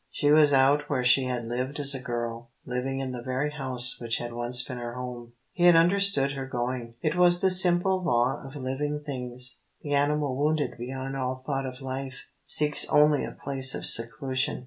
She was out where she had lived as a girl, living in the very house which had once been her home. He had understood her going. It was the simple law of living things. The animal wounded beyond all thought of life seeks only a place of seclusion.